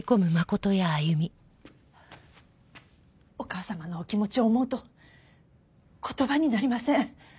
お母様のお気持ちを思うと言葉になりません。